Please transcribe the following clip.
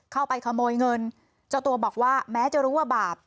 เข้าไปขโมยเงินเจ้าตัวบอกว่าแม้จะรู้ว่าบาป